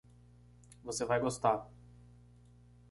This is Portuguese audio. Você vai gostar